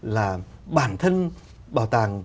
là bản thân bảo tàng